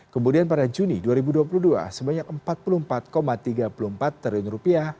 kemudian pada juni dua ribu dua puluh dua sebanyak empat puluh empat tiga puluh empat triliun rupiah